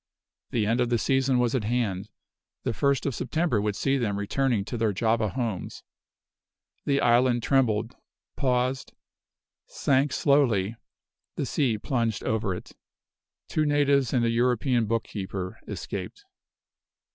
The end of the season was at hand. The 1st of September would see them returning to their Java homes. The island trembled, paused sank slowly the sea plunged over it. Two natives and an European bookkeeper escaped.